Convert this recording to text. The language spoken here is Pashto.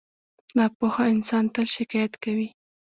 • ناپوهه انسان تل شکایت کوي.